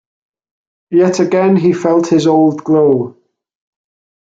Yet again he felt his old glow.